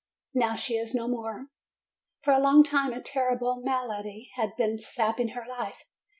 Now, she is no more. For a long time a terrible malady has been sapping her life.